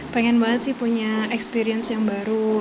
pengen banget sih punya experience yang baru